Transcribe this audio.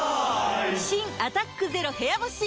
新「アタックＺＥＲＯ部屋干し」解禁‼